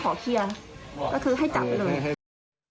ก็คือให้จับเลย